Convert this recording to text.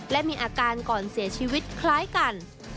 และมีอาการก่อนเสียชีวิตคล้ายกัน